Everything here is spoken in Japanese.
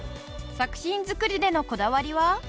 作品作りでのこだわりは？